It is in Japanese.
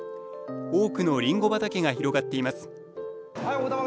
多くのりんご畑が広がっています。